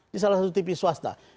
di salah satu tv swasta